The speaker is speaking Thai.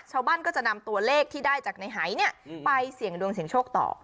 ชาวบ้านก็จะนำตัวเลขที่ได้จากในหายเนี่ยไปเสี่ยงดวงเสียงโชคต่อ